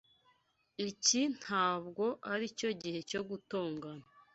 Iki ntabwo aricyo gihe cyo gutongana.